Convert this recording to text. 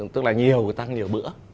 tức là nhiều người ta nhiều bữa